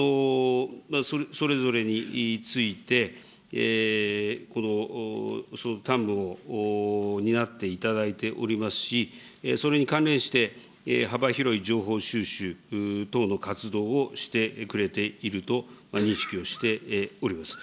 それぞれについて、その担務を担っていただいておりますし、それに関連して幅広い情報収集等の活動をしてくれていると認識をしております。